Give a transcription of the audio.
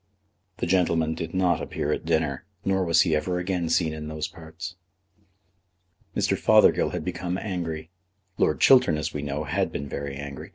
The gentleman did not appear at dinner, nor was he ever again seen in those parts. Mr. Fothergill had become angry. Lord Chiltern, as we know, had been very angry.